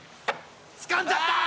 つかんじゃった！